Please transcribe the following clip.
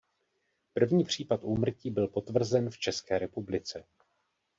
První případ úmrtí byl potvrzen v České republice.